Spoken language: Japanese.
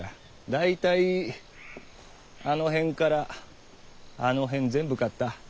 大体あの辺からあの辺全部買った。